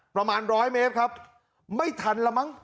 ประมาณ๑๐๐เมตรครับไม่ทันเหรอมั้ง